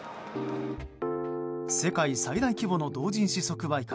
世界最大規模の同人誌即売会